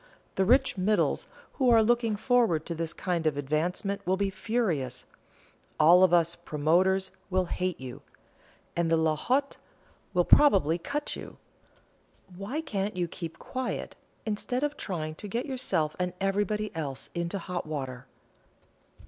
The rich 'middles' who are looking forward to this kind of advancement will be furious; all of us 'promoters' will hate you, and 'la haute' will probably cut you. Why can't you keep quiet, instead of trying to get yourself and everybody else into hot water?"